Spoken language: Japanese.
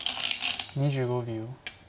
２５秒。